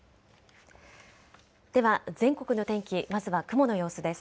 では全国の天気、まずは雲の様子です。